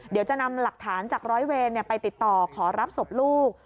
เดี๋ยวจะนำหลักฐานจากร้อยเวรไปติดต่อขอรับศพลูก